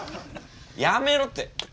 やめろって！